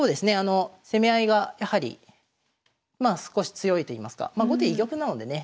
攻め合いがやはりまあ少し強いといいますかまあ後手居玉なのでね